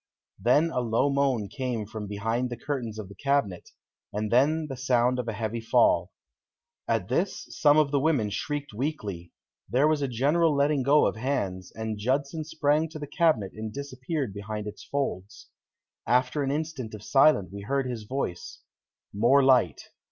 Then a low moan came from behind the curtains of the cabinet, and then the sound of a heavy fall. At this some of the women shrieked weakly. There was a general letting go of hands, and Judson sprang to the cabinet and disappeared behind its folds. After an instant of silence we heard his voice: "More light."